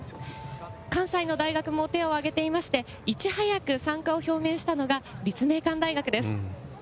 関西の大学も手を挙げていまして、いち早く参加を表明したのが立命館大学です。